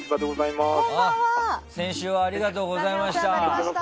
先週はありがとうございました。